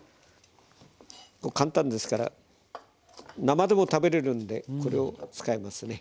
簡単ですから生でも食べれるんでこれを使いますね。